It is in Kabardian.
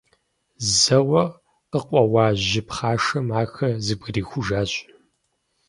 Зэуэ къыкъуэуа жьы пхъашэм ахэр зэбгрихужащ.